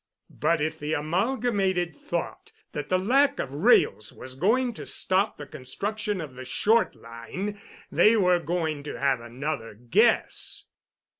But if the Amalgamated thought that the lack of rails was going to stop the construction of the Short Line, they were going to have another guess.